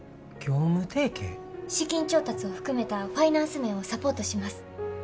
資金調達を含めたファイナンス面をサポートします。